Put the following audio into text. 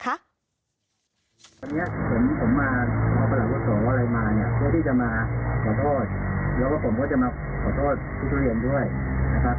เพราะฉะนั้นประหลักอุโสมาเนี่ยผมก็เลยต้องมาด้วยนะครับ